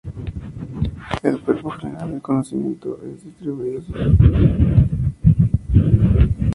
El cuerpo general del conocimiento es distribuido socialmente y clasificado en campos semánticos.